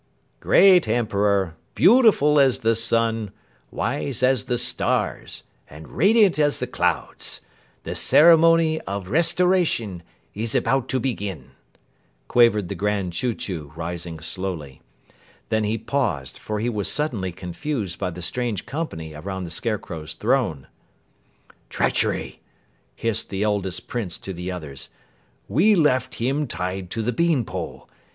"Great Emperor, beautiful as the sun, wise as the stars, and radiant as the clouds, the Ceremony of Restoration is about to begin!" quavered the Grand Chew Chew, rising slowly. Then he paused, for he was suddenly confused by the strange company around the Scarecrow's throne. "Treachery!" hissed the eldest Prince to the others. "We left him tied to the bean pole.